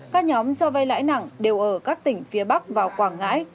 các nhóm cho vay lãi nặng đều ở các tỉnh phía bắc và quảng ngãi